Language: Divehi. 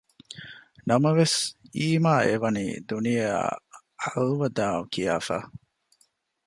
ނަމަވެސް އީމާ އެވަނީ ދުނިޔެއާ އަލްވަދާޢު ކިޔާފަ